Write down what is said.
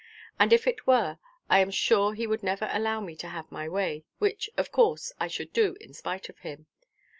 And if it were, I am sure he would never allow me to have my way, which, of course, I should do in spite of him.